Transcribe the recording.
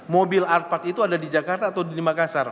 mobil art part itu ada di jakarta atau di makassar